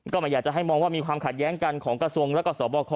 ก็ไม่อยากจะให้มองว่ามีความขัดแย้งกันของกระทรวงแล้วก็สอบคอ